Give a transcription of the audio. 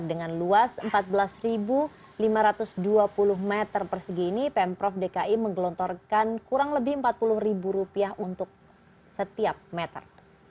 dengan luas empat belas lima ratus dua puluh meter persegi ini pemprov dki menggelontorkan kurang lebih empat puluh untuk setiap meter